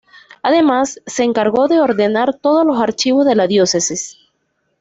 Además, se encargó de ordenar todos los archivos de la diócesis.